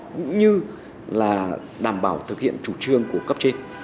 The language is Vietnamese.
cũng như là đảm bảo thực hiện chủ trương của cấp trên